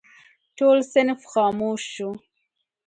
ټول صنف خاموش شو.